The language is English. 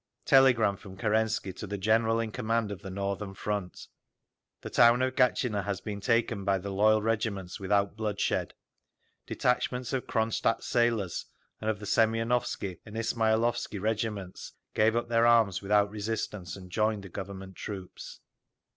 Telegram from Kerensky to the General in Command of the Northern Front: The town of Gatchina has been taken by the loyal regiments without bloodshed. Detachments of Cronstadt sailors, and of the Semionovsky and Ismailovsky regiments, gave up their arms without resistance and joined the Government troops.